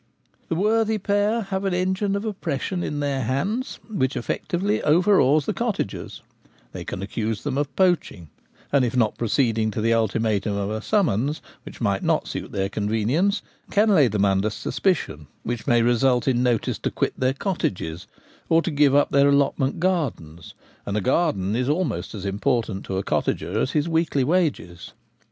The worthy pair have an engine of oppression in their hands which effectually overawes the cottagers : they can accuse them of poaching ; and if not pro ceeding to the ultimatum of a summons, which might not suit their convenience, can lay them under suspicion, which may result in notice to quit their cottages, or to give up their allotment gardens ; and a garden is almost as important to a cottager as his weekly wages.